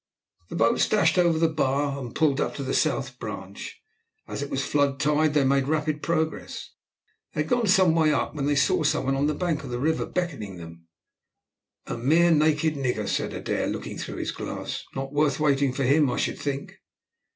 The boats dashed over the bar, and pulled up the south branch. As it was flood tide they made rapid progress. They had gone some way up when they saw some one on the bank of the river beckoning to them. "A mere naked nigger," said Adair, looking through his glass, "not worth waiting for him I should think."